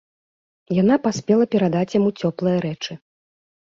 Яна паспела перадаць яму цёплыя рэчы.